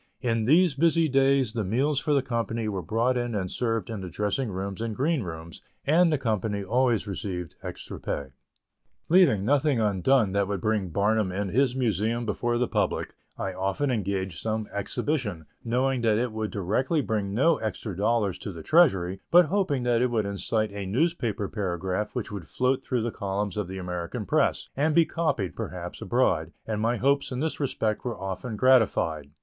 In these busy days the meals for the company were brought in and served in the dressing rooms and green rooms, and the company always received extra pay. Leaving nothing undone that would bring Barnum and his Museum before the public, I often engaged some exhibition, knowing that it would directly bring no extra dollars to the treasury, but hoping that it would incite a newspaper paragraph which would float through the columns of the American press and be copied, perhaps, abroad, and my hopes in this respect were often gratified.